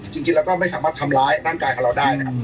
จริงแล้วก็ไม่สามารถทำร้ายร่างกายกับเราได้นะครับ